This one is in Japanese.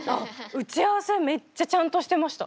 打ち合わせめっちゃちゃんとしてました。